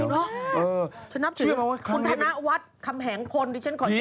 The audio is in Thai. ดีน่ะชนับถึงคุณธนวัฒน์คำแหงคนชินชมคุณ